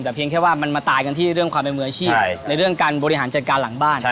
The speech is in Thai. แต่เพียงแค่ว่ามันมาตายกันที่เรื่องความแมคเมืองยามภิกาบริหารเจนการหลังบ้าน